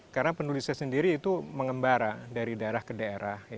karena penulisnya sendiri itu mengembara dari daerah ke daerah